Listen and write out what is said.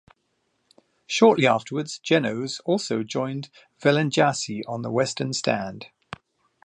Shortly afterwards Genoes also joined Vilenjaci on the western stand.